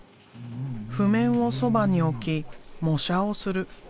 譜面をそばに置き模写をする。